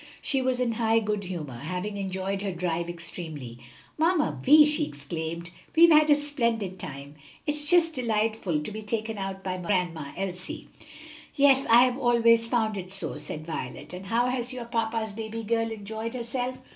She was in high good humor, having enjoyed her drive extremely. "Mamma Vi," she exclaimed, "we've had a splendid time! It's just delightful to be taken out by Grandma Elsie." "Yes; I have always found it so," said Violet. "And how has your papa's baby girl enjoyed herself?"